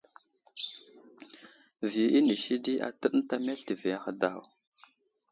Viyo inisi di atəɗ ənta meltivi ahe daw.